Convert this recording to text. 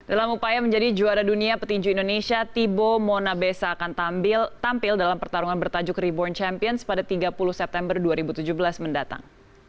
dalam upaya menjadi juara dunia petinju indonesia thibo monabesa akan tampil dalam pertarungan bertajuk reborn champions pada tiga puluh september dua ribu tujuh belas mendatang